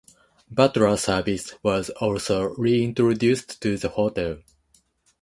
Butler service was also reintroduced to the hotel.